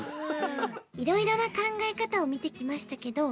いろいろな考え方を見てきましたけど